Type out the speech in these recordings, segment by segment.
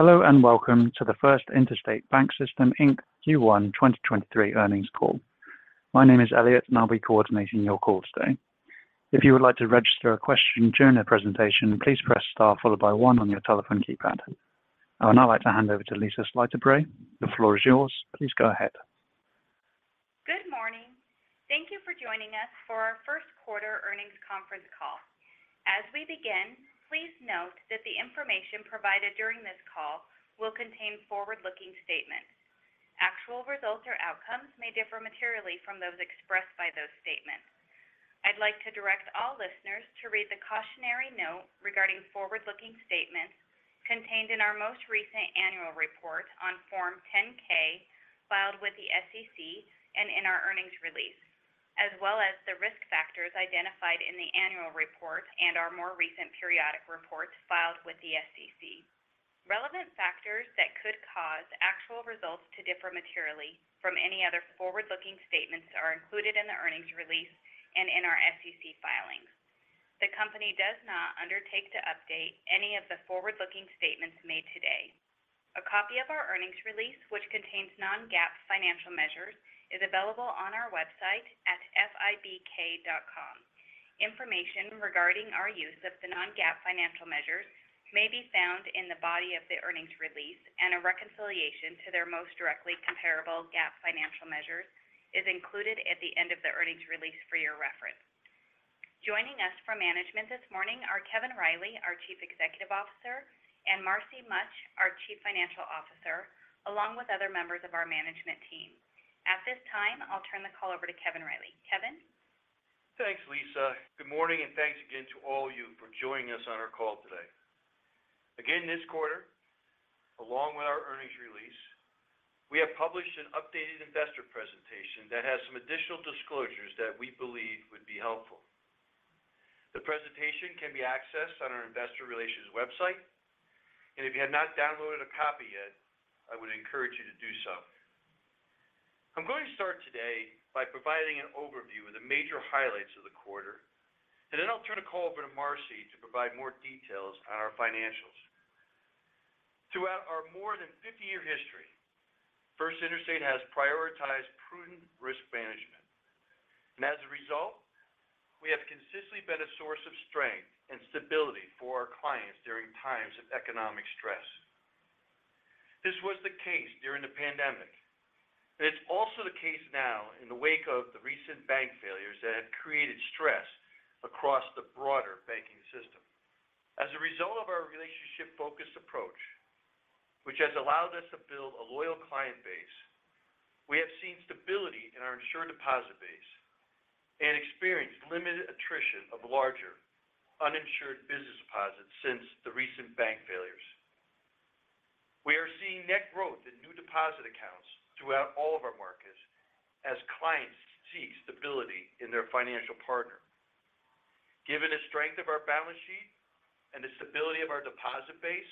Hello and welcome to the First Interstate BancSystem, Inc. Q1 2023 earnings call. My name is Elliot, and I'll be coordinating your call today. If you would like to register a question during the presentation, please press star followed by one on your telephone keypad. I would now like to hand over to Lisa Slyter-Bray. The floor is yours. Please go ahead. Good morning. Thank you for joining us for our first quarter earnings conference call. As we begin, please note that the information provided during this call will contain forward-looking statements. Actual results or outcomes may differ materially from those expressed by those statements. I'd like to direct all listeners to read the cautionary note regarding forward-looking statements contained in our most recent annual report on Form 10-K filed with the SEC and in our earnings release, as well as the risk factors identified in the annual report and our more recent periodic reports filed with the SEC. Relevant factors that could cause actual results to differ materially from any other forward-looking statements are included in the earnings release and in our SEC filings. The company does not undertake to update any of the forward-looking statements made today. A copy of our earnings release, which contains non-GAAP financial measures, is available on our website at fibk.com. Information regarding our use of the non-GAAP financial measures may be found in the body of the earnings release and a reconciliation to their most directly comparable GAAP financial measures is included at the end of the earnings release for your reference. Joining us for management this morning are Kevin Riley, our Chief Executive Officer, and Marcy Mutch, our Chief Financial Officer, along with other members of our management team. At this time, I'll turn the call over to Kevin Riley. Kevin? Thanks, Lisa. Good morning, thanks again to all of you for joining us on our call today. Again this quarter, along with our earnings release, we have published an updated investor presentation that has some additional disclosures that we believe would be helpful. The presentation can be accessed on our investor relations website. If you have not downloaded a copy yet, I would encourage you to do so. I'm going to start today by providing an overview of the major highlights of the quarter, then I'll turn the call over to Marcy to provide more details on our financials. Throughout our more than 50-year history, First Interstate has prioritized prudent risk management. As a result, we have consistently been a source of strength and stability for our clients during times of economic stress. This was the case during the pandemic, and it's also the case now in the wake of the recent bank failures that have created stress across the broader banking system. As a result of our relationship-focused approach, which has allowed us to build a loyal client base, we have seen stability in our insured deposit base and experienced limited attrition of larger uninsured business deposits since the recent bank failures. We are seeing net growth in new deposit accounts throughout all of our markets as clients seek stability in their financial partner. Given the strength of our balance sheet and the stability of our deposit base,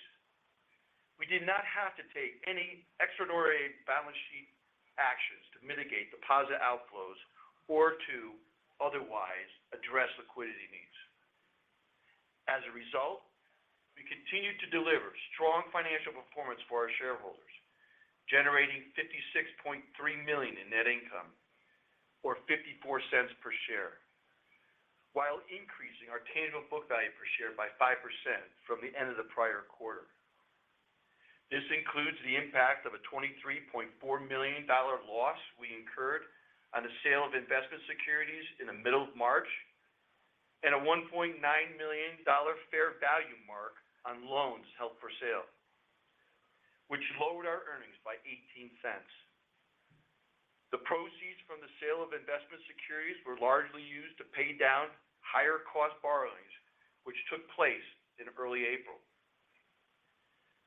we did not have to take any extraordinary balance sheet actions to mitigate deposit outflows or to otherwise address liquidity needs. As a result, we continued to deliver strong financial performance for our shareholders, generating $56.3 million in net income or $0.54 per share, while increasing our tangible book value per share by 5% from the end of the prior quarter. This includes the impact of a $23.4 million loss we incurred on the sale of investment securities in the middle of March and a $1.9 million fair value mark on loans held for sale, which lowered our earnings by $0.18. The proceeds from the sale of investment securities were largely used to pay down higher cost borrowings, which took place in early April.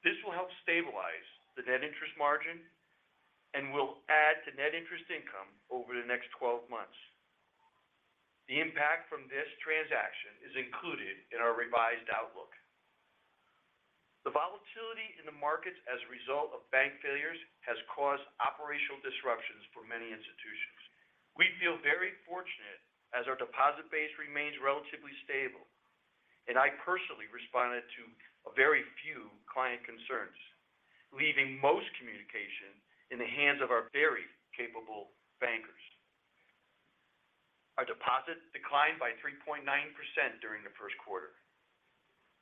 This will help stabilize the net interest margin and will add to net interest income over the next 12 months. The impact from this transaction is included in our revised outlook. The volatility in the markets as a result of bank failures has caused operational disruptions for many institutions. We feel very fortunate as our deposit base remains relatively stable, and I personally responded to a very few client concerns, leaving most communication in the hands of our very capable bankers. Our deposits declined by 3.9% during the first quarter.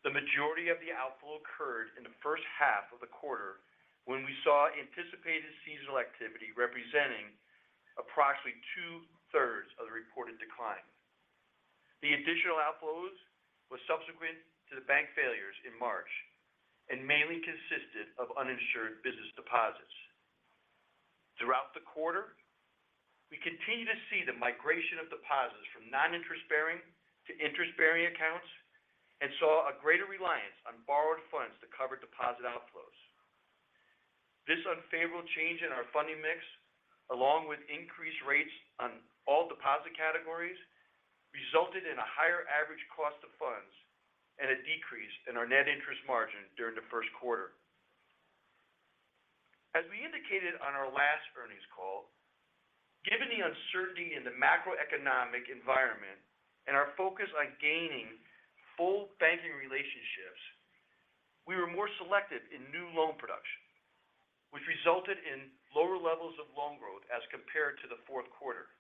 The majority of the outflow occurred in the first half of the quarter when we saw anticipated seasonal activity representing approximately 2/3 of the reported decline. The additional outflows were subsequent to the bank failures in March and mainly consisted of uninsured business deposits. Throughout the quarter, we continued to see the migration of deposits from non-interest bearing to interest bearing accounts and saw a greater reliance on borrowed funds to cover deposit outflows. This unfavorable change in our funding mix, along with increased rates on all deposit categories, resulted in a higher average cost of funds and a decrease in our net interest margin during the first quarter. As we indicated on our last earnings call, given the uncertainty in the macroeconomic environment and our focus on gaining full banking relationships, we were more selective in new loan production, which resulted in lower levels of loan growth as compared to the fourth quarter.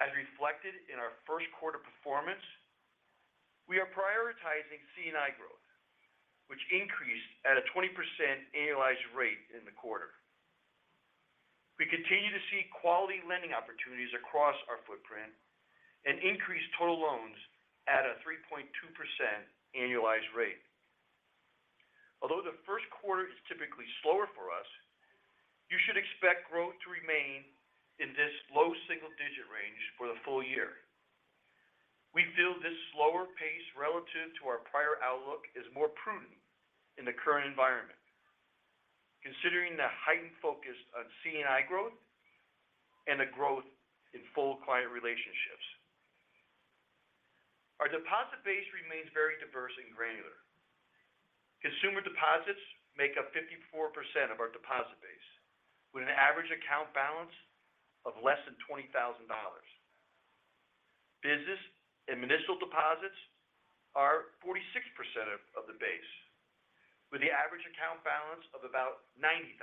As reflected in our first quarter performance, we are prioritizing C&I growth, which increased at a 20% annualized rate in the quarter. We continue to see quality lending opportunities across our footprint and increased total loans at a 3.2% annualized rate. Although the first quarter is typically slower for us, you should expect growth to remain in this low single-digit range for the full year. We feel this slower pace relative to our prior outlook is more prudent in the current environment, considering the heightened focus on C&I growth and the growth in full client relationships. Our deposit base remains very diverse and granular. Consumer deposits make up 54% of our deposit base with an average account balance of less than $20,000. Business and municipal deposits are 46% of the base with the average account balance of about $90,000.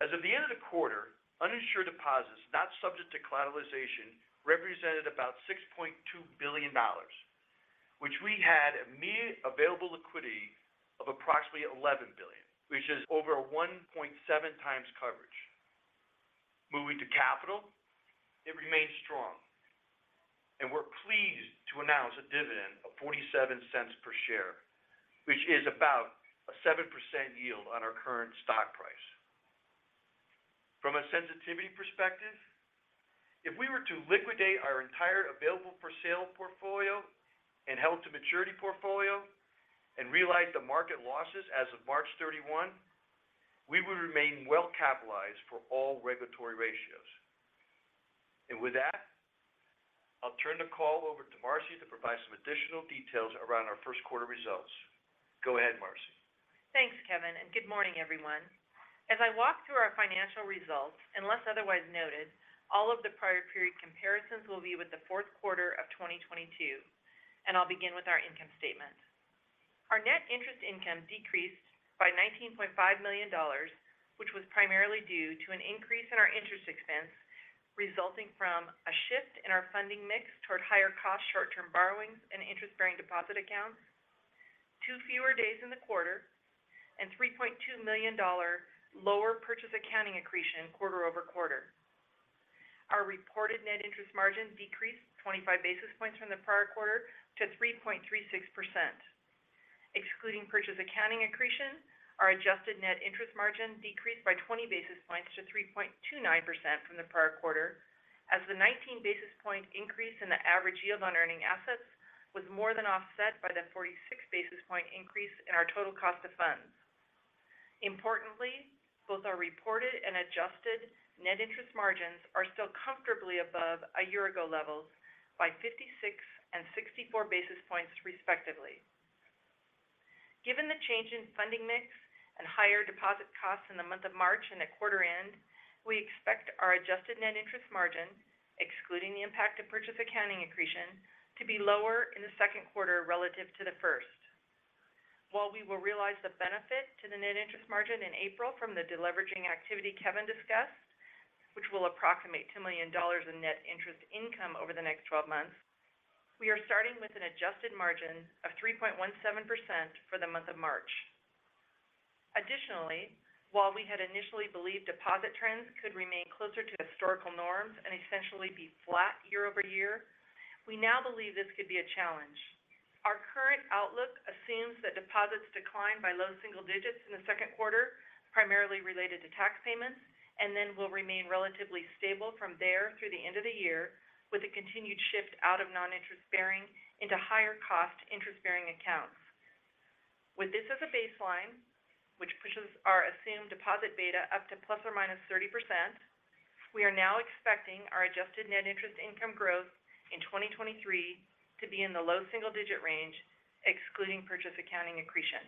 As of the end of the quarter, uninsured deposits not subject to collateralization represented about $6.2 billion, which we had immediate available liquidity of approximately $11 billion, which is over 1.7x coverage. Moving to capital, it remains strong and we're pleased to announce a dividend of $0.47 per share, which is about a 7% yield on our current stock price. From a sensitivity perspective, if we were to liquidate our entire available for sale portfolio and held to maturity portfolio and realize the market losses as of March 31, we would remain well capitalized for all regulatory ratios. With that, I'll turn the call over to Marcy to provide some additional details around our first quarter results. Go ahead, Marcy. Thanks, Kevin. Good morning, everyone. As I walk through our financial results, unless otherwise noted, all of the prior period comparisons will be with the fourth quarter of 2022, and I'll begin with our income statement. Our net interest income decreased by $19.5 million which was primarily due to an increase in our interest expense resulting from a shift in our funding mix toward higher cost short-term borrowings and interest-bearing deposit accounts, two fewer days in the quarter and $3.2 million lower purchase accounting accretion quarter-over-quarter. Our reported net interest margin decreased 25 basis points from the prior quarter to 3.36%. Excluding purchase accounting accretion, our adjusted net interest margin decreased by 20 basis points to 3.29% from the prior quarter as the 19 basis point increase in the average yield on earning assets was more than offset by the 46 basis point increase in our total cost of funds. Importantly, both our reported and adjusted net interest margins are still comfortably above a year ago levels by 56 and 64 basis points respectively. Given the change in funding mix and higher deposit costs in the month of March and the quarter end, we expect our adjusted net interest margin, excluding the impact of purchase accounting accretion, to be lower in the second quarter relative to the first. While we will realize the benefit to the net interest margin in April from the deleveraging activity Kevin Riley discussed, which will approximate $2 million in net interest income over the next 12 months, we are starting with an adjusted margin of 3.17% for the month of March. Additionally, while we had initially believed deposit trends could remain closer to historical norms and essentially be flat year-over-year, we now believe this could be a challenge. Our current outlook assumes that deposits decline by low single digits in the second quarter, primarily related to tax payments, and then will remain relatively stable from there through the end of the year with a continued shift out of non-interest bearing into higher cost interest bearing accounts. With this as a baseline, which pushes our assumed deposit beta up to ±30%, we are now expecting our adjusted net interest income growth in 2023 to be in the low single-digit range, excluding purchase accounting accretion.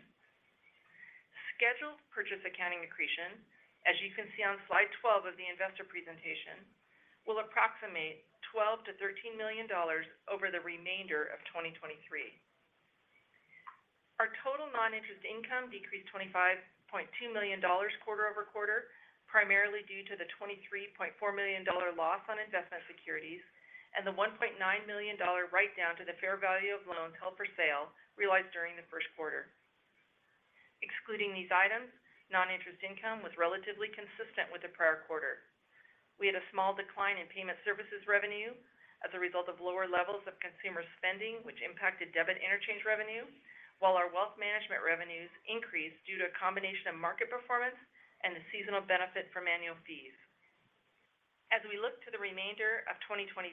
Scheduled purchase accounting accretion, as you can see on slide 12 of the investor presentation, will approximate $12 million-$13 million over the remainder of 2023. Our total non-interest income decreased $25.2 million quarter-over-quarter, primarily due to the $23.4 million loss on investment securities and the $1.9 million write down to the fair value of loans held for sale realized during the first quarter. Excluding these items, non-interest income was relatively consistent with the prior quarter. We had a small decline in payment services revenue as a result of lower levels of consumer spending, which impacted debit interchange revenue while our wealth management revenues increased due to a combination of market performance and the seasonal benefit from annual fees. As we look to the remainder of 2023,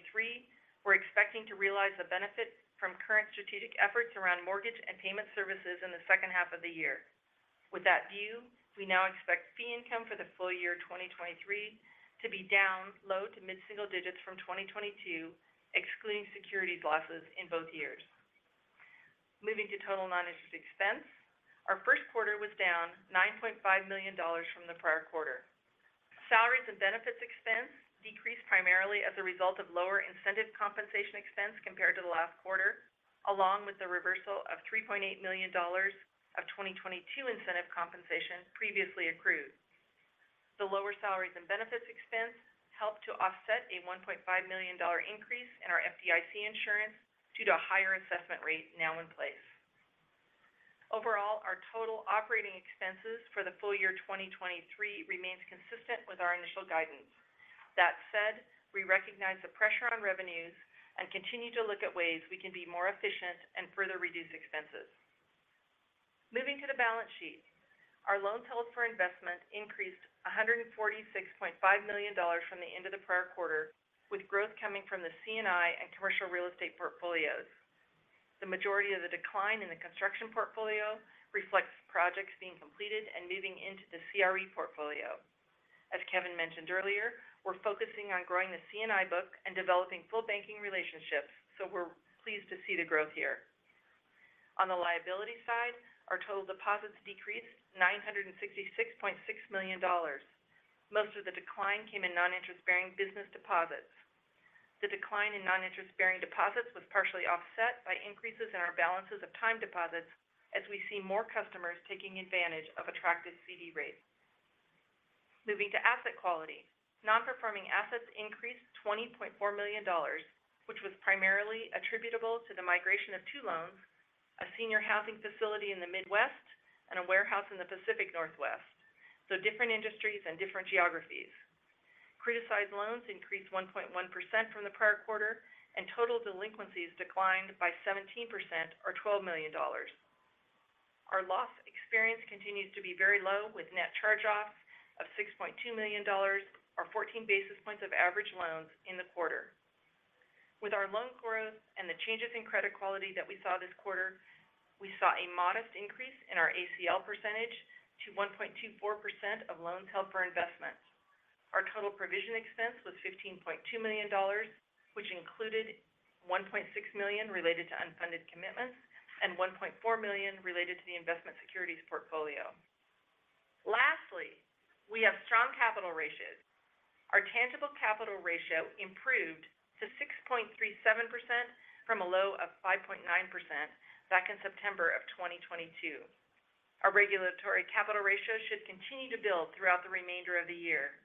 we're expecting to realize the benefit from current strategic efforts around mortgage and payment services in the second half of the year. With that view, we now expect fee income for the full year 2023 to be down low to mid single digits from 2022, excluding securities losses in both years. Moving to total non-interest expense. Our first quarter was down $9.5 million from the prior quarter. Salaries and benefits expense decreased primarily as a result of lower incentive compensation expense compared to the last quarter, along with the reversal of $3.8 million of 2022 incentive compensation previously accrued. The lower salaries and benefits expense helped to offset a $1.5 million increase in our FDIC insurance due to a higher assessment rate now in place. Our total operating expenses for the full year 2023 remains consistent with our initial guidance. That said, we recognize the pressure on revenues and continue to look at ways we can be more efficient and further reduce expenses. Moving to the balance sheet. Our loans held for investment increased $146.5 million from the end of the prior quarter, with growth coming from the C&I and Commercial Real Estate portfolios. The majority of the decline in the Construction portfolio reflects projects being completed and moving into the CRE portfolio. As Kevin mentioned earlier, we're focusing on growing the C&I book and developing full banking relationships, so we're pleased to see the growth here. On the liability side, our total deposits decreased $966.6 million. Most of the decline came in non-interest bearing business deposits. The decline in non-interest bearing deposits was partially offset by increases in our balances of time deposits as we see more customers taking advantage of attractive CD rates. Moving to asset quality. Non-performing assets increased $20.4 million, which was primarily attributable to the migration of two loans, a senior housing facility in the Midwest and a warehouse in the Pacific Northwest. Different industries and different geographies. Criticized loans increased 1.1% from the prior quarter, and total delinquencies declined by 17% or $12 million. Our loss experience continues to be very low, with net charge-offs of $6.2 million or 14 basis points of average loans in the quarter. With our loan growth and the changes in credit quality that we saw this quarter, we saw a modest increase in our ACL percentage to 1.24% of loans held for investment. Our total provision expense was $15.2 million, which included $1.6 million related to unfunded commitments and $1.4 million related to the investment securities portfolio. Lastly, we have strong capital ratios. Our tangible capital ratio improved to 6.37% from a low of 5.9% back in September of 2022. Our regulatory capital ratio should continue to build throughout the remainder of the year.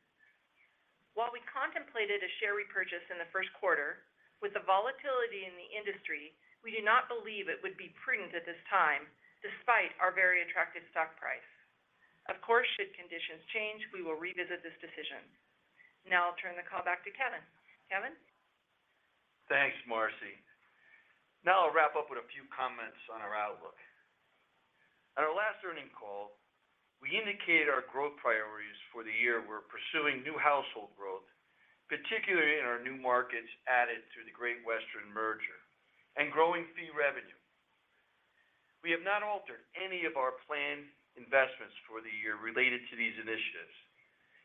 While we contemplated a share repurchase in the first quarter, with the volatility in the industry, we do not believe it would be prudent at this time despite our very attractive stock price. Of course, should conditions change, we will revisit this decision. Now I'll turn the call back to Kevin. Kevin? Thanks, Marcy. I'll wrap up with a few comments on our outlook. At our last earnings call, we indicated our growth priorities for the year were pursuing new household growth, particularly in our new markets added through the Great Western merger and growing fee revenue. We have not altered any of our planned investments for the year related to these initiatives,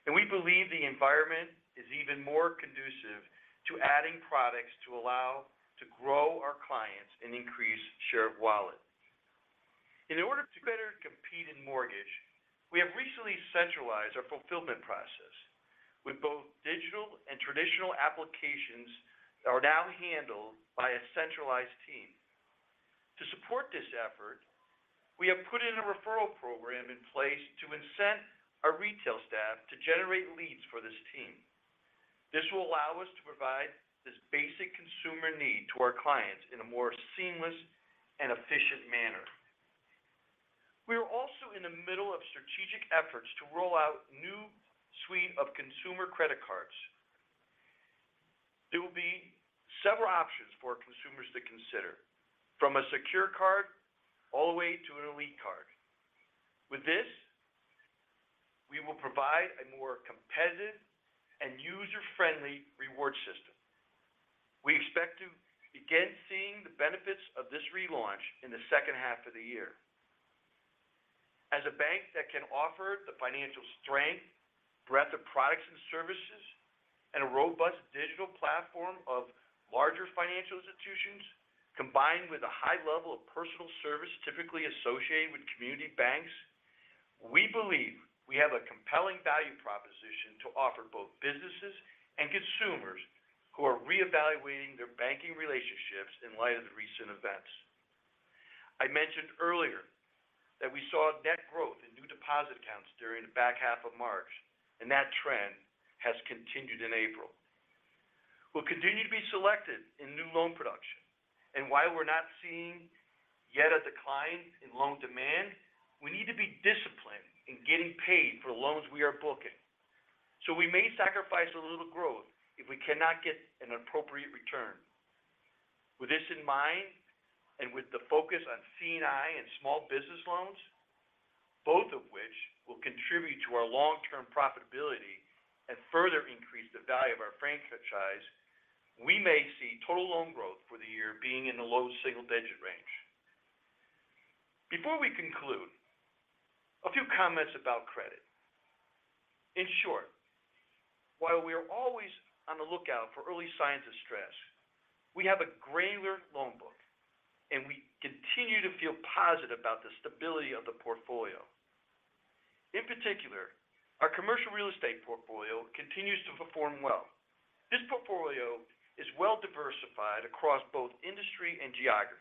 and we believe the environment is even more conducive to adding products to allow to grow our clients and increase share of wallet. In order to better compete in mortgage, we have recently centralized our fulfillment process with both digital and traditional applications are now handled by a centralized team. To support this effort, we have put in a referral program in place to incent our retail staff to generate leads for this team. This will allow us to provide this basic consumer need to our clients in a more seamless and efficient manner. We are also in the middle of strategic efforts to roll out new suite of consumer credit cards. There will be several options for consumers to consider from a secure card all the way to an elite card. With this, we will provide a more competitive and user-friendly reward system. We expect to begin seeing the benefits of this relaunch in the second half of the year. As a bank that can offer the financial strength, breadth of products and services, and a robust digital platform of larger financial institutions, combined with a high level of personal service typically associated with community banks, we believe we have a compelling value proposition to offer both businesses and consumers who are reevaluating their banking relationships in light of the recent events. I mentioned earlier that we saw net growth in new deposit accounts during the back half of March. That trend has continued in April. We'll continue to be selected in new loan production, and while we're not seeing yet a decline in loan demand, we need to be disciplined in getting paid for the loans we are booking. We may sacrifice a little growth if we cannot get an appropriate return. With this in mind, and with the focus on C&I and small business loans, both of which will contribute to our long-term profitability and further increase the value of our franchise, we may see total loan growth for the year being in the low single digit range. Before we conclude, a few comments about credit. In short, while we are always on the lookout for early signs of stress, we have a granular loan book, and we continue to feel positive about the stability of the portfolio. In particular, our Commercial Real Estate portfolio continues to perform well. This portfolio is well diversified across both industry and geography.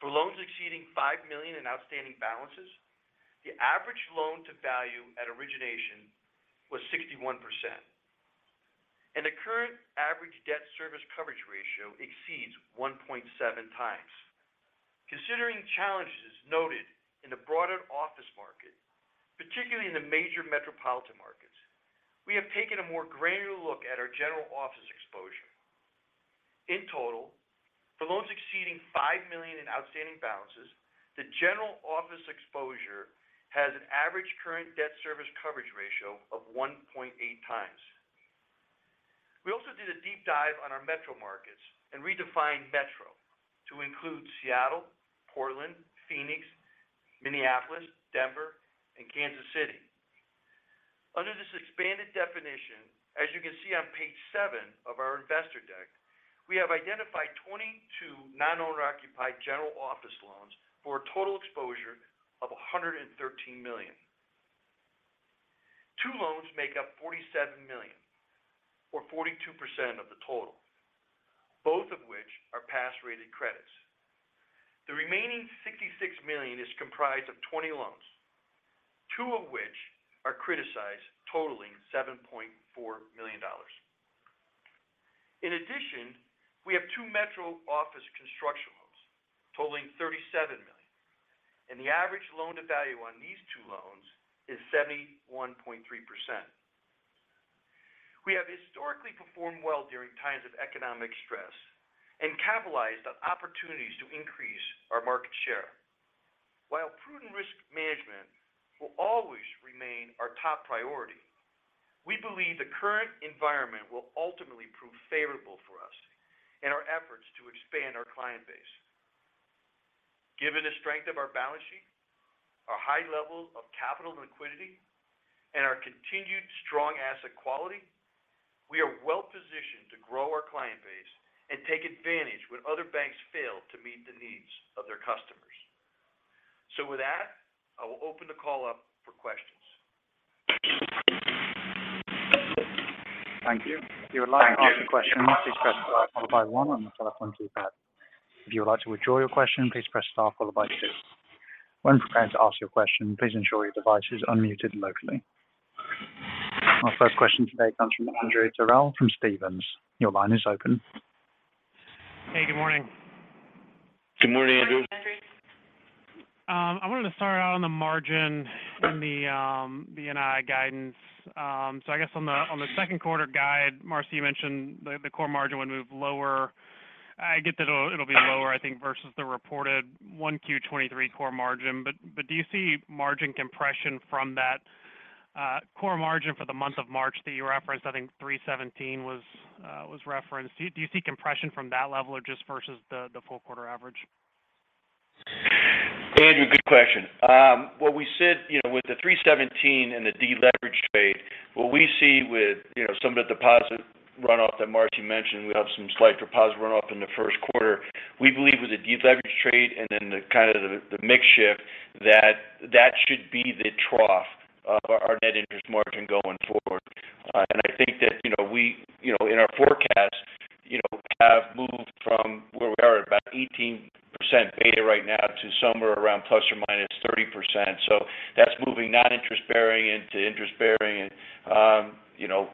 For loans exceeding $5 million in outstanding balances, the average loan to value at origination was 61%. The current average debt service coverage ratio exceeds 1.7x. Considering challenges noted in the broader office market, particularly in the major metropolitan markets, we have taken a more granular look at our General Office exposure. In total, for loans exceeding $5 million in outstanding balances, the General Office exposure has an average current debt service coverage ratio of 1.8x. We also did a deep dive on our metro markets and redefined metro to include Seattle, Portland, Phoenix, Minneapolis, Denver, and Kansas City. Under this expanded definition, as you can see on page seven of our investor deck, we have identified 22 non-owner occupied General Office loans for a total exposure of $113 million. Two loans make up $47 million or 42% of the total, both of which are pass rated credits. The remaining $66 million is comprised of 20 loans, two of which are criticized, totaling $7.4 million. In addition, we have two Metro Office Construction loans totaling $37 million, and the average loan to value on these two loans is 71.3%. We have historically performed well during times of economic stress and capitalized on opportunities to increase our market share. While prudent risk management will always remain our top priority, we believe the current environment will ultimately prove favorable for us in our efforts to expand our client base. Given the strength of our balance sheet, our high level of capital liquidity, and our continued strong asset quality, we are well positioned to grow our client base and take advantage when other banks fail to meet the needs of their customers. With that, I will open the call up for questions. Thank you. Thank you. If you would like to ask a question, please press star followed by one on the telephone keypad. If you would like to withdraw your question, please press star followed by two. When prepared to ask your question, please ensure your device is unmuted locally. Our first question today comes from Andrew Terrell from Stephens. Your line is open. Hey, good morning. Good morning, Andrew. I wanted to start out on the margin in the NII guidance. I guess on the second quarter guide, Marcy, you mentioned the core margin would move lower. I get that it'll be lower, I think, versus the reported 1Q 2023 core margin. Do you see margin compression from that core margin for the month of March that you referenced? I think 317 was referenced. Do you see compression from that level or just versus the full quarter average? Andrew, good question. What we said, you know, with the three seventeen and the deleverage trade, what we see with, you know, some of the deposit runoff that Marcy mentioned, we have some slight deposit runoff in the first quarter. We believe with the deleverage trade and then the kind of the mix shift that that should be the trough of our net interest margin going forward. And I think that, you know, we, you know, in our forecast, you know, have moved from where we are about 18% beta right now to somewhere around ±30%. That's moving non-interest bearing into interest-bearing. You know,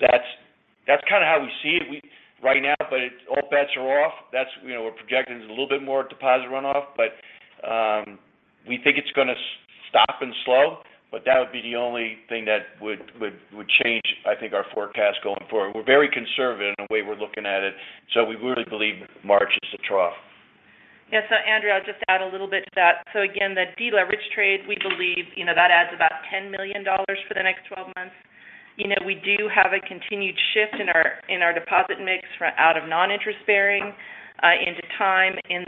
that's kind of how we see it. Right now, but it's all bets are off. That's, you know, we're projecting is a little bit more deposit runoff. We think it's gonna stop and slow, but that would be the only thing that would change, I think, our forecast going forward. We're very conservative in the way we're looking at it, so we really believe March is a trough. Yeah. Andrew, I'll just add a little bit to that. Again, the deleverage trade, we believe, you know, that adds about $10 million for the next 12 months. You know, we do have a continued shift in our, in our deposit mix for out of non-interest bearing into time in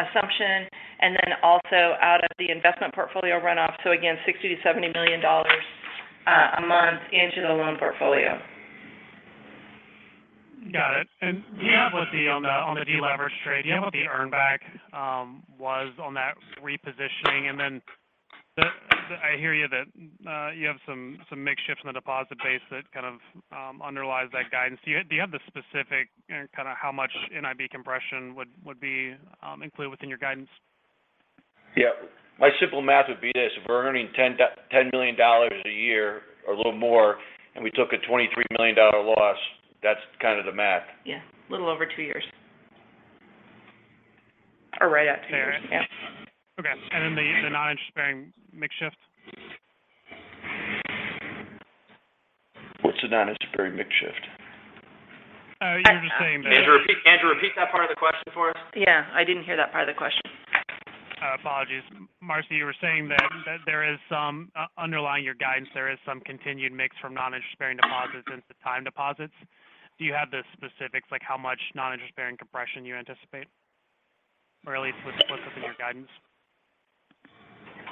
that assumption. Also out of the investment portfolio runoff. Again, $60 million-$70 million a month into the loan portfolio. Got it. Do you have on the deleverage trade, do you have what the earn back was on that repositioning? Then I hear you that you have some mix shift in the deposit base that kind of underlies that guidance. Do you have the specific and kind of how much NIB compression would be included within your guidance? Yeah. My simple math would be this. If we're earning $10 million a year or a little more, and we took a $23 million loss, that's kind of the math. Yeah. A little over two years. Right at two years. Fair. Yeah. Okay. The non-interest bearing mix shift? What's the non-interest bearing mix shift? You were just saying. Andrew, repeat that part of the question for us. Yeah, I didn't hear that part of the question. Apologies. Marcy, you were saying that there is some underlying your guidance, there is some continued mix from non-interest bearing deposits into time deposits. Do you have the specifics, like how much non-interest bearing compression you anticipate, or at least what's up in your guidance?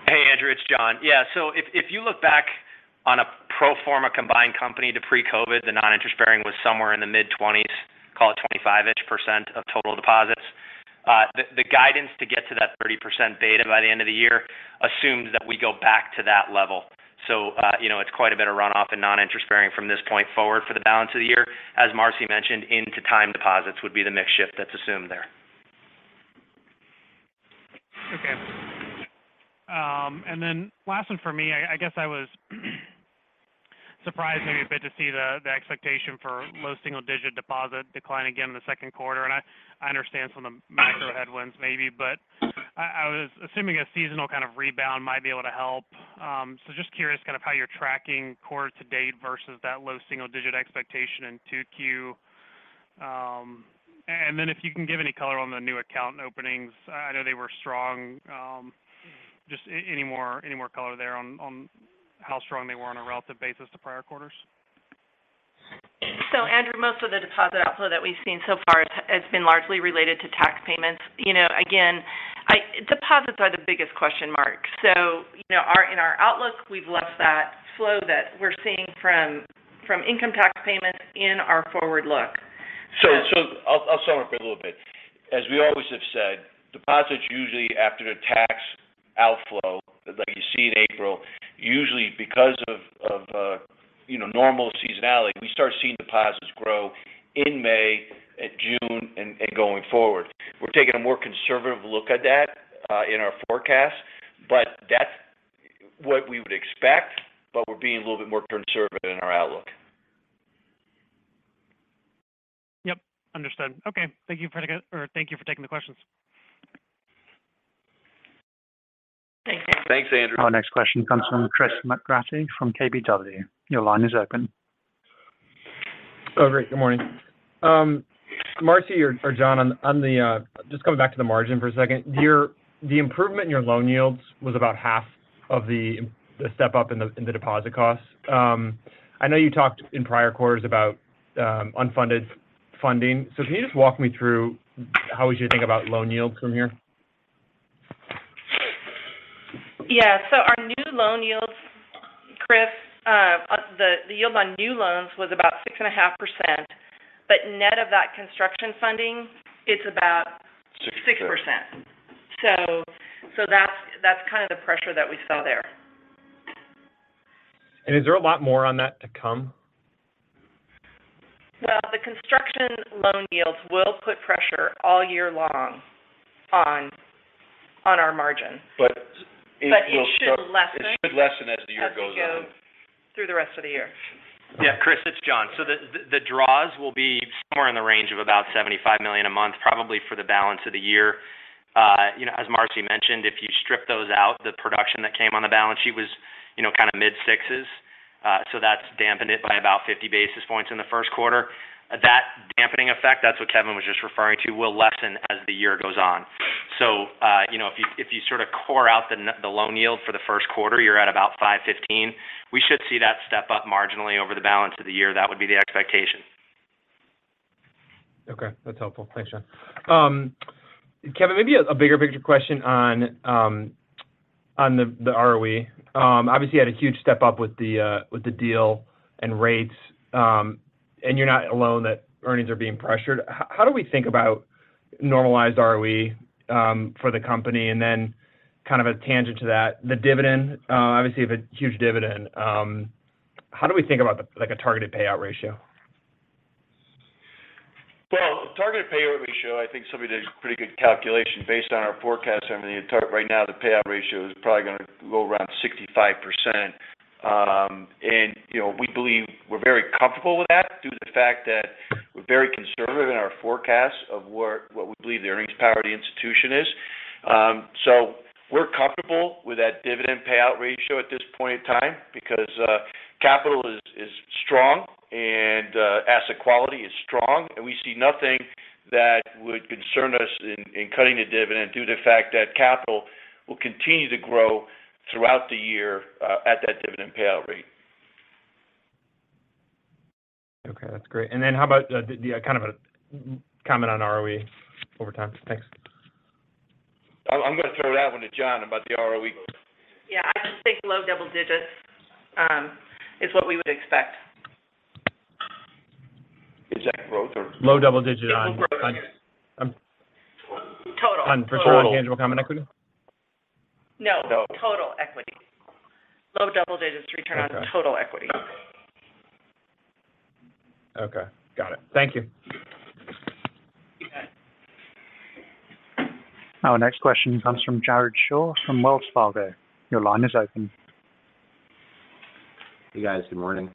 Hey Andrew, it's John. If you look back on a pro forma combined company to pre-COVID, the non-interest bearing was somewhere in the mid-twenties, call it 25%-ish of total deposits. The guidance to get to that 30% beta by the end of the year assumes that we go back to that level. You know, it's quite a bit of runoff in non-interest bearing from this point forward for the balance of the year. As Marcy mentioned, into time deposits would be the mix shift that's assumed there. Okay. Last one for me. I guess I was surprised maybe a bit to see the expectation for low single digit deposit decline again in the second quarter. I understand some of the macro headwinds maybe, but I was assuming a seasonal kind of rebound might be able to help. Just curious kind of how you're tracking quarter to date versus that low single digit expectation in 2Q. Then if you can give any color on the new account openings. I know they were strong. Just any more color there on how strong they were on a relative basis to prior quarters. Andrew, most of the deposit outflow that we've seen so far has been largely related to tax payments. You know, again, deposits are the biggest question mark. You know, in our outlook, we've left that flow that we're seeing from income tax payments in our forward look. I'll sum up a little bit. As we always have said, deposits usually after the tax outflow that you see in April, usually because of, you know, normal seasonality, we start seeing deposits grow in May, June and going forward. We're taking a more conservative look at that in our forecast, but that's what we would expect, but we're being a little bit more conservative in our outlook. Yep. Understood. Okay. Thank you for taking the questions. Thanks, Andrew. Thanks, Andrew. Our next question comes from Chris McGratty from KBW. Your line is open. Great. Good morning. Marcy or John, on the just coming back to the margin for a second. The improvement in your loan yields was about half of the step up in the deposit costs. I know you talked in prior quarters about unfunded funding. Can you just walk me through how we should think about loan yields from here? Yeah. Our new loan yields, Chris, the yield on new loans was about 6.5%. Net of that Construction funding, it's about 6%. That's kind of the pressure that we saw there. Is there a lot more on that to come? Well, the Construction loan yields will put pressure all year long on our margin. It will show- It should lessen-. It should lessen as the year goes on. As we go through the rest of the year. Yeah, Chris, it's John. The, the draws will be somewhere in the range of about $75 million a month, probably for the balance of the year. You know, as Marcy mentioned, if you strip those out, the production that came on the balance sheet was, you know, kind of mid-sixes. That's dampened it by about 50 basis points in the first quarter. That dampening effect, that's what Kevin was just referring to, will lessen as the year goes on. You know, if you, if you sort of core out the loan yield for the first quarter, you're at about 5.15. We should see that step up marginally over the balance of the year. That would be the expectation. Okay. That's helpful. Thanks, John. Kevin, maybe a bigger picture question on the ROE. Obviously you had a huge step up with the deal and rates, you're not alone that earnings are being pressured. How do we think about normalized ROE for the company? Kind of a tangent to that, the dividend, obviously you have a huge dividend. How do we think about the like a targeted payout ratio? Well, targeted payout ratio, I think somebody did a pretty good calculation based on our forecast. I mean, right now, the payout ratio is probably gonna go around 65%. you know, we believe we're very comfortable with that due to the fact that we're very conservative in our forecast of what we believe the earnings power of the institution is. We're comfortable with that dividend payout ratio at this point in time because capital is strong and asset quality is strong. We see nothing that would concern us in cutting the dividend due to the fact that capital will continue to grow throughout the year at that dividend payout rate. Okay. That's great. Then how about the kind of a comment on ROE over time? Thanks. I'm gonna throw that one to John about the ROE. I just think low double digits is what we would expect. Is that growth or- Low double digits. Total growth, I guess. Um- Total. On return on tangible common equity? No. No. Total equity. Low double digits return on total equity. Okay. Got it. Thank you. You bet. Our next question comes from Jared Shaw from Wells Fargo. Your line is open. Hey, guys. Good morning.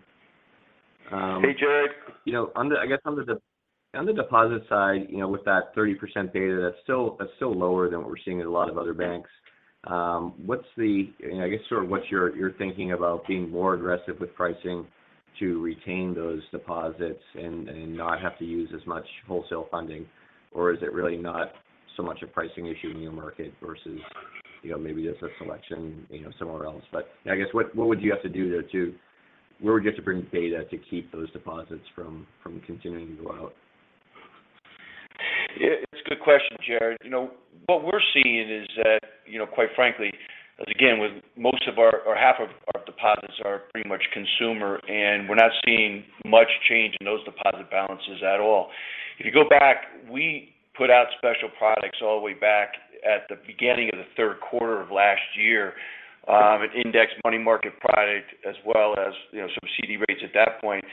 Hey, Jared. You know, on the deposit side, you know, with that 30% beta that's still lower than what we're seeing at a lot of other banks. What's the, you know, I guess sort of what's your thinking about being more aggressive with pricing to retain those deposits and not have to use as much wholesale funding? Is it really not so much a pricing issue in your market versus, you know, maybe just a selection, you know, somewhere else? I guess what would you have to do there to? Where would you have to bring beta to keep those deposits from continuing to go out? Yeah. It's a good question, Jared. You know, what we're seeing is that, you know, quite frankly, again, with half of our deposits are pretty much consumer, and we're not seeing much change in those deposit balances at all. If you go back, we put out special products all the way back at the beginning of the third quarter of last year of an index money market product, as well as, you know, some CD rates at that point.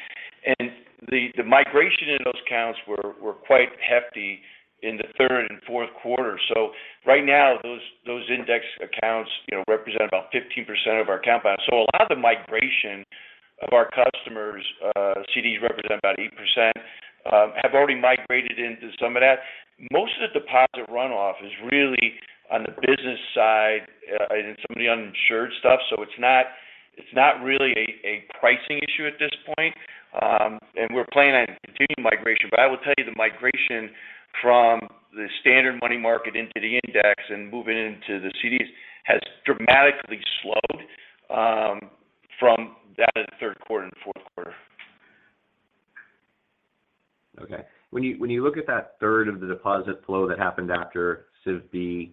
The migration in those accounts were quite hefty in the third and fourth quarter. Right now, those index accounts, you know, represent about 15% of our account balance. A lot of the migration of our customers, CDs represent about 8%, have already migrated into some of that. Most of the deposit runoff is really on the business side, and some of the uninsured stuff. It's not really a pricing issue at this point. We're planning on continuing migration. I will tell you, the migration from the standard money market into the index and moving into the CDs has dramatically slowed from that third quarter and fourth quarter. Okay. When you look at that third of the deposit flow that happened after SVB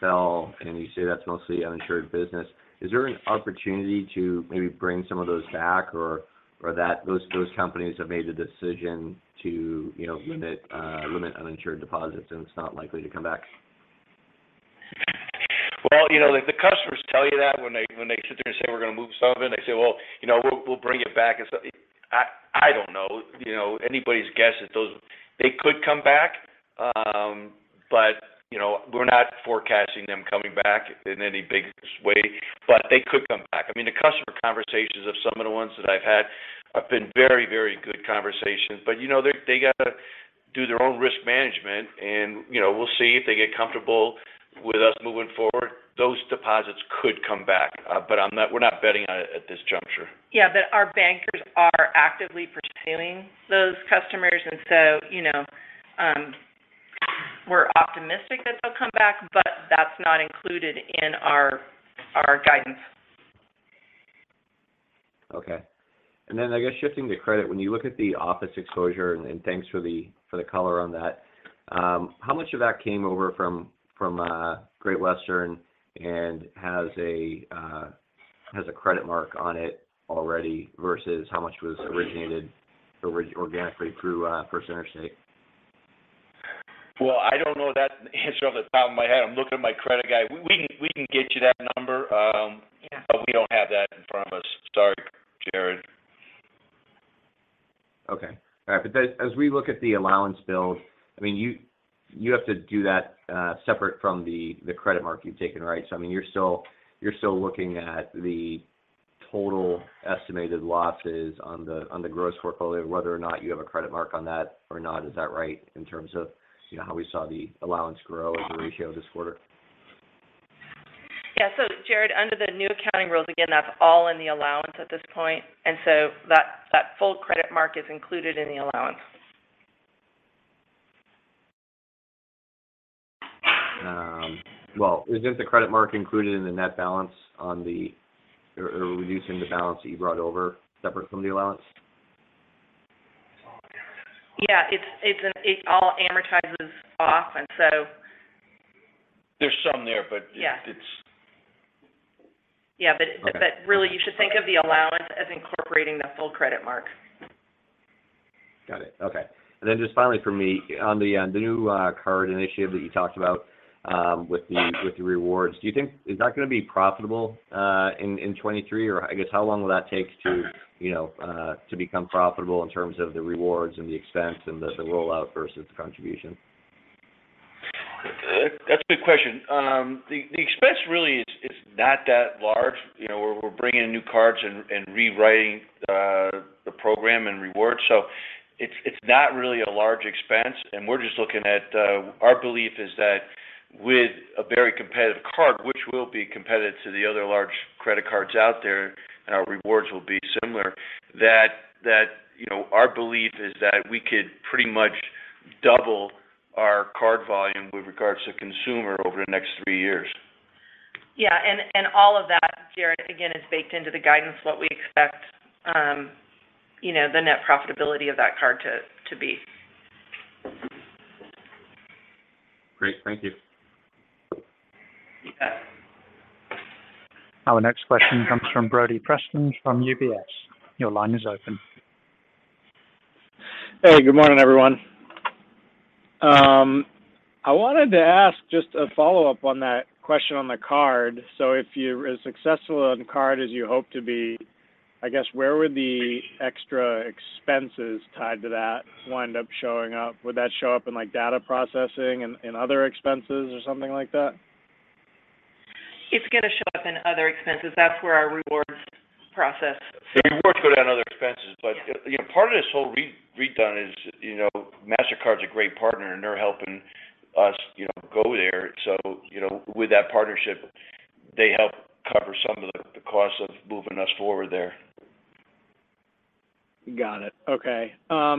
fell, and you say that's mostly uninsured business, is there an opportunity to maybe bring some of those back or that those companies have made the decision to, you know, limit uninsured deposits, and it's not likely to come back? Well, you know, the customers tell you that when they sit there and say, "We're going to move something." They say, "Well, you know, we'll bring it back." I don't know. You know, anybody's guess at those. They could come back. You know, we're not forecasting them coming back in any big way, but they could come back. I mean, the customer conversations of some of the ones that I've had have been very good conversations. You know, they got to do their own risk management and, you know, we'll see if they get comfortable with us moving forward. Those deposits could come back. We're not betting on it at this juncture. Yeah. Our bankers are actively pursuing those customers. You know, we're optimistic that they'll come back, but that's not included in our guidance. Okay. Then I guess shifting to credit. When you look at the office exposure, and thanks for the, for the color on that, how much of that came over from Great Western and has a credit mark on it already versus how much was originated organically through First Interstate? Well, I don't know that answer off the top of my head. I'm looking at my credit guy. We can get you that number. Yeah. We don't have that in front of us. Sorry, Jared. Okay. All right. As we look at the allowance build, I mean, you have to do that, separate from the credit mark you've taken, right? I mean, you're still looking at the total estimated losses on the gross portfolio, whether or not you have a credit mark on that or not. Is that right in terms of, you know, how we saw the allowance grow as a ratio this quarter? Yeah. Jared, under the new accounting rules, again, that's all in the allowance at this point. That full credit mark is included in the allowance. Well, isn't the credit mark included in the net balance or reducing the balance that you brought over separate from the allowance? Yeah. It's, it all amortizes off, and so. There's some there. Yeah But it's... Yeah. Okay Really, you should think of the allowance as incorporating the full credit mark. Got it. Okay. Just finally from me on the new card initiative that you talked about, with the rewards, is that going to be profitable in 2023, or I guess, how long will that take to become profitable in terms of the rewards and the expense and the rollout versus the contribution? That's a good question. The expense really is not that large. You know, we're bringing in new cards and rewriting the program and rewards. It's not really a large expense. We're just looking at, our belief is that with a very competitive card, which will be competitive to the other large credit cards out there, and our rewards will be similar, that, you know, our belief is that we could pretty much double our card volume with regards to consumer over the next three years. Yeah. And all of that, Jared, again, is baked into the guidance what we expect, you know, the net profitability of that card to be. Great. Thank you. Yeah. Our next question comes from Brody Preston from UBS. Your line is open. Good morning, everyone. I wanted to ask just a follow-up on that question on the card. If you're as successful on card as you hope to be, I guess where would the extra expenses tied to that wind up showing up? Would that show up in like data processing and other expenses or something like that? It's going to show up in other expenses. That's where our rewards process sits. The rewards go down other expenses. You know, part of this whole redone is, you know, Mastercard's a great partner, and they're helping us, you know, go there. You know, with that partnership, they help cover some of the costs of moving us forward there. Got it. Okay. I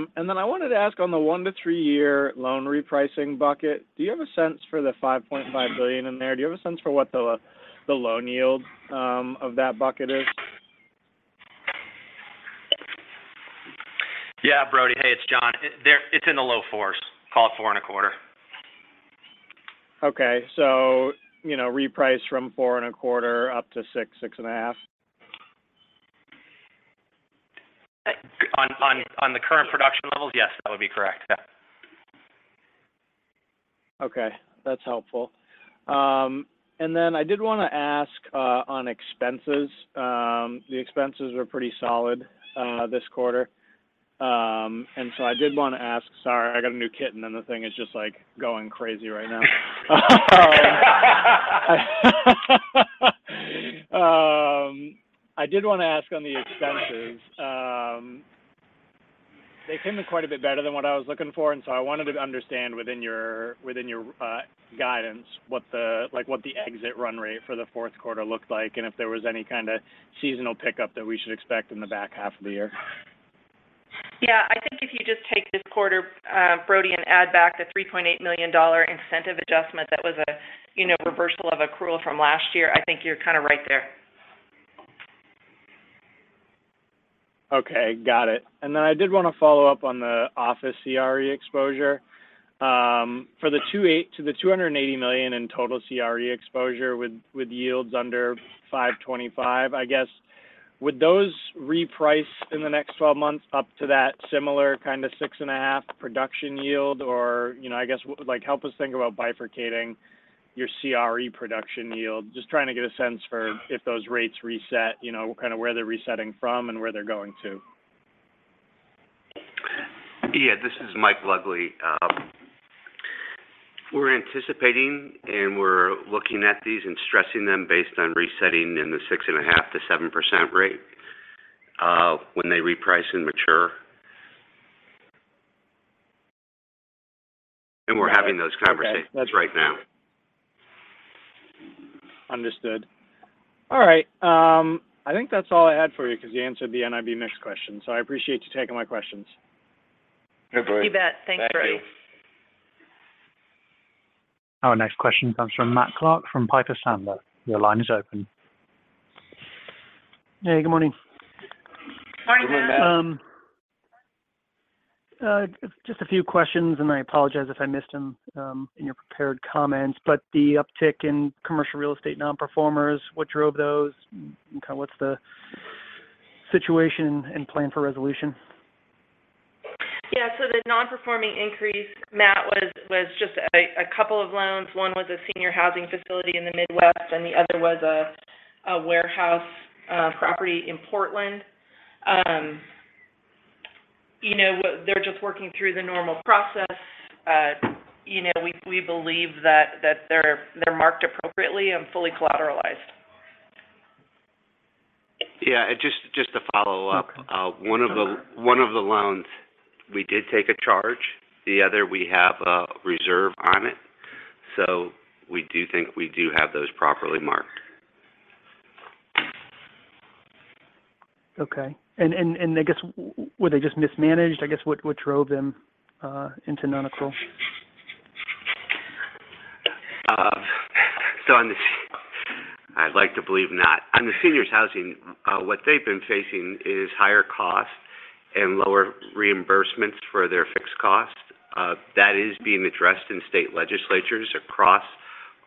wanted to ask on the one to three year loan repricing bucket, do you have a sense for the $5.5 billion in there? Do you have a sense for what the loan yield of that bucket is? Yeah, Brody. Hey, it's John. It's in the low fours. Call it four and a quarter. Okay. You know, reprice from 4.25 up to 6.5? On the current production levels, yes, that would be correct. Yeah. Okay. That's helpful. I did wanna ask on expenses. The expenses were pretty solid this quarter. I did wanna ask. Sorry, I got a new kitten, and the thing is just, like, going crazy right now. I did wanna ask on the expenses. They came in quite a bit better than what I was looking for, so I wanted to understand within your guidance like, what the exit run rate for the fourth quarter looked like, and if there was any kind of seasonal pickup that we should expect in the back half of the year. I think if you just take this quarter, Brody, and add back the $3.8 million incentive adjustment that was a, you know, reversal of accrual from last year, I think you're kinda right there. Okay. Got it. I did want to follow up on the office CRE exposure. For the $280 million in total CRE exposure with yields under 5.25%, I guess, would those reprice in the next 12 months up to that similar kind of 6.5% production yield? You know, I guess like, help us think about bifurcating your CRE production yield. Just trying to get a sense for if those rates reset, you know, kind of where they're resetting from and where they're going to. Yeah. This is Mike Lugli. We're anticipating, and we're looking at these and stressing them based on resetting in the 6.5%-7% rate, when they reprice and mature. We're having those conversations right now. Understood. All right. I think that's all I had for you 'cause you answered the NIM/mix question. I appreciate you taking my questions. Sure, Brody. You bet. Thanks, Brody. Thank you. Our next question comes from Matt Clark from Piper Sandler. Your line is open. Hey. Good morning. Morning, Matt. Good morning, Matt. Just a few questions, and I apologize if I missed them in your prepared comments. The uptick in Commercial Real Estate non-performers, what drove those? Kinda what's the situation and plan for resolution? The non-performing increase, Matt, was just a couple of loans. One was a senior housing facility in the Midwest, and the other was a warehouse property in Portland. You know, they're just working through the normal process. You know, we believe that they're marked appropriately and fully collateralized. Yeah. Just to follow up. Okay. One of the loans we did take a charge. The other, we have a reserve on it. We do think we do have those properly marked. Okay. I guess were they just mismanaged? I guess, what drove them into non-accrual? I'd like to believe not. On the seniors housing, what they've been facing is higher costs and lower reimbursements for their fixed costs. That is being addressed in state legislatures across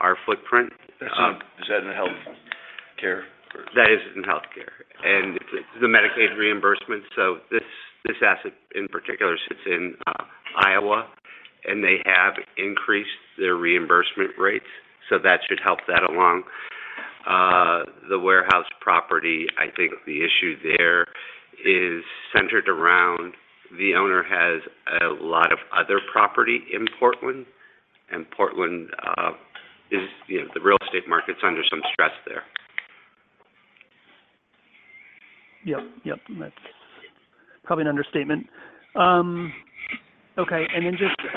our footprint. Is that in healthcare or-? That is in healthcare. It's the Medicaid reimbursements. This asset in particular sits in Iowa. They have increased their reimbursement rates, that should help that along. The warehouse property, I think the issue there is centered around the owner has a lot of other property in Portland. Portland, you know, the real estate market's under some stress there. Yep. Yep. That's probably an understatement. Okay. Then just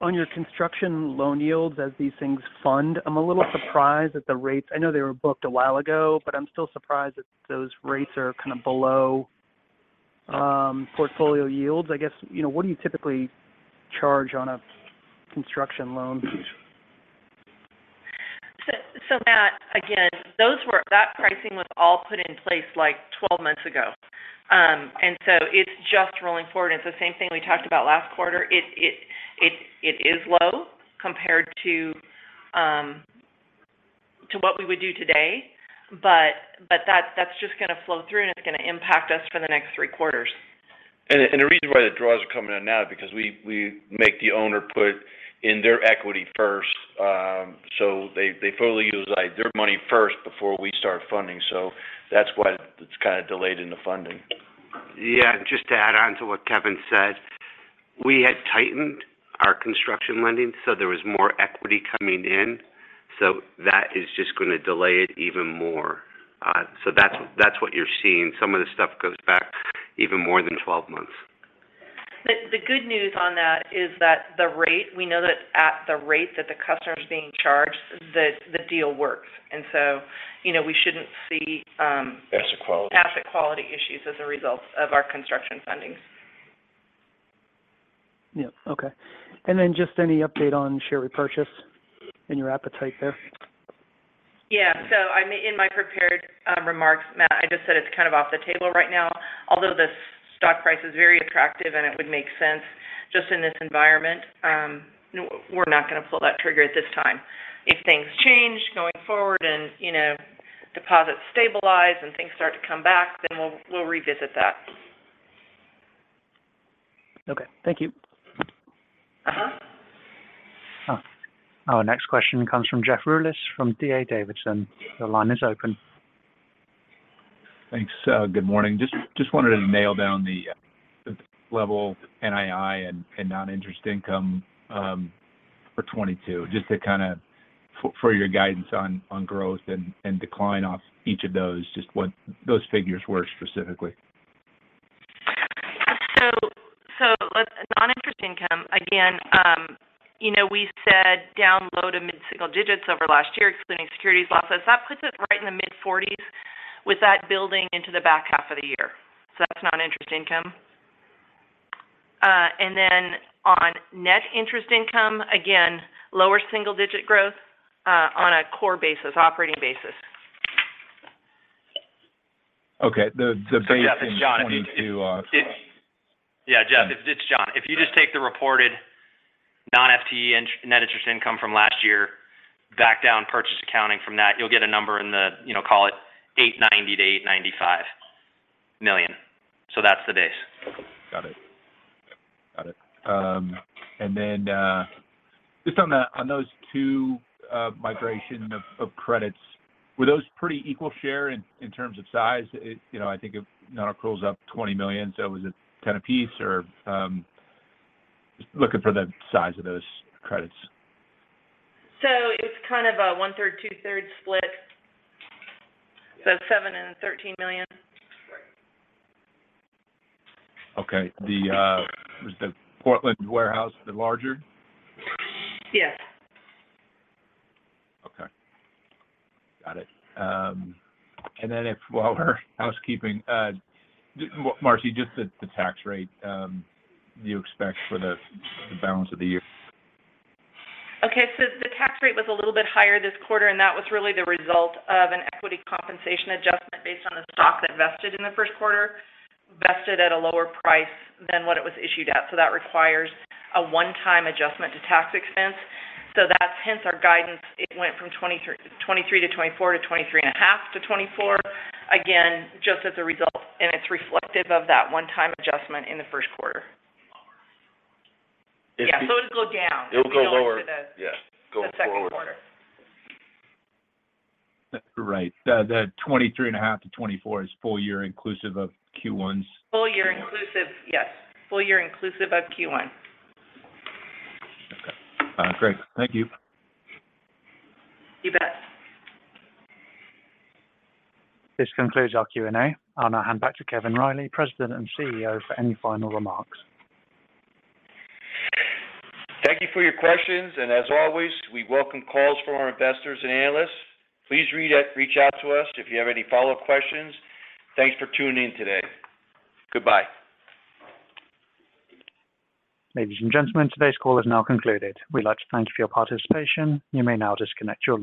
on your Construction loan yields as these things fund, I'm a little surprised at the rates. I know they were booked a while ago, but I'm still surprised that those rates are kind of below, portfolio yields. I guess, you know, what do you typically charge on a Construction loan? Matt, again, that pricing was all put in place, like, 12 months ago. It's just rolling forward. It's the same thing we talked about last quarter. It is low compared to what we would do today, but that's just going to flow through, and it's going to impact us for the next three quarters. The reason why the draws are coming in now, because we make the owner put in their equity first. They fully utilize their money first before we start funding. That's why it's kind of delayed in the funding. Yeah. Just to add on to what Kevin said, we had tightened our Construction lending, so there was more equity coming in, so that is just gonna delay it even more. That's what you're seeing. Some of this stuff goes back even more than 12 months. The good news on that is that we know that at the rate that the customer's being charged, that the deal works. You know, we shouldn't see. Asset quality. Asset quality issues as a result of our Construction fundings. Yeah. Okay. Just any update on share repurchase and your appetite there? I in my prepared remarks, Matt, I just said it's kind of off the table right now. Although the stock price is very attractive, and it would make sense just in this environment, you know, we're not gonna pull that trigger at this time. If things change going forward and, you know, deposits stabilize and things start to come back, then we'll revisit that. Okay. Thank you. Uh-huh. Our next question comes from Jeff Rulis from D.A. Davidson. The line is open. Thanks. good morning. Just wanted to nail down the level NII and non-interest income, for 2022, just to kind of for your guidance on growth and decline off each of those, just what those figures were specifically. Non-interest income, again, you know, we said down low to mid-single digits over last year, excluding securities losses. That puts it right in the mid-40s, with that building into the back half of the year. That's non-interest income. On net interest income, again, lower single digit growth, on a core basis, operating basis. Okay. The base in 22. Jeff, it's John. If you Yeah, Jeff, it's John. If you just take the reported non-FTE net interest income from last year, back down purchase accounting from that, you'll get a number in the, you know, call it $890 million-$895 million. That's the base. Got it. Just on the, on those two, migration of credits, were those pretty equal share in terms of size? You know, I think if nonaccruals up $20 million, was it $10 a piece or? Just looking for the size of those credits. It's kind of a 1/3, 2/3 split. $7 million and $13 million. Okay. Was the Portland warehouse the larger? Yes. Okay. Got it. If while we're housekeeping, Marcy, just the tax rate, do you expect for the balance of the year? Okay. The tax rate was a little bit higher this quarter, and that was really the result of an equity compensation adjustment based on the stock that vested in the first quarter, vested at a lower price than what it was issued at. That requires a one-time adjustment to tax expense. That's hence our guidance. It went from 23%-24% to 23.5%-24%, again, just as a result, and it's reflective of that one-time adjustment in the first quarter. Lower. Yeah. it'll go down- It'll go lower. Going into. Yeah. Go forward The second quarter. That's right. The 23.5%-24% is full year inclusive of Q1's- Full year inclusive. Yes. Full year inclusive of Q1. Okay. great. Thank you. You bet. This concludes our Q&A. I'll now hand back to Kevin Riley, President and CEO, for any final remarks. Thank you for your questions. As always, we welcome calls from our investors and analysts. Please reach out to us if you have any follow-up questions. Thanks for tuning in today. Goodbye. Ladies and gentlemen, today's call is now concluded. We'd like to thank you for your participation. You may now disconnect your lines.